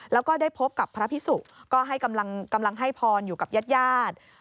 แล้วก็ได้พบกับพระพิสุก็ให้กำลังให้พรอยู่กับญาติญาติ